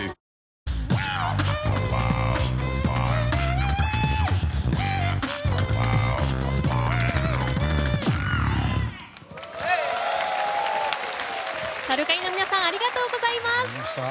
ニトリＳＡＲＵＫＡＮＩの皆さんありがとうございます。